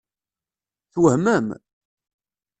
Twehmem?